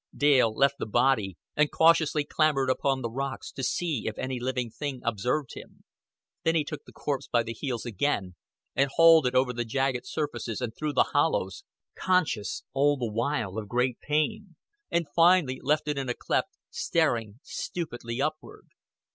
Dale left the body, and cautiously clambered upon the rocks to see if any living thing observed him. Then he took the corpse by the heels again, and hauled it over the jagged surfaces and through the hollows conscious all the while of great pain and finally left it in a cleft, staring stupidly upward.